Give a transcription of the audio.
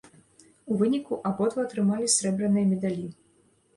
У выніку абодва атрымалі срэбраныя медалі.